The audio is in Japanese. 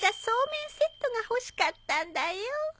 そうめんセットが欲しかったんだよ。